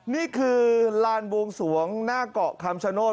นี่คือลานบวงสวงหน้าเกาะคำชโนธ